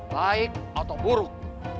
baik atau buruk